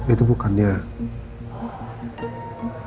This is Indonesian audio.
itu bukannya elsa